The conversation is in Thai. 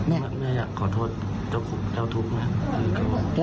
แม่อยากขอโทษเจ้าทุกข์นะ